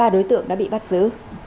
ba đối tượng đã bị bắt giữ